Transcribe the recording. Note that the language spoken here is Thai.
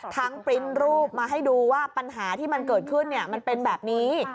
ปริ้นรูปมาให้ดูว่าปัญหาที่มันเกิดขึ้นมันเป็นแบบนี้